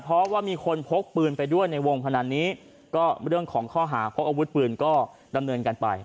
เพราะว่ามีคนพกปืนไปด้วยในวงพนันนี้ก็เรื่องของข้อหาพกอาวุธปืนก็ดำเนินกันไป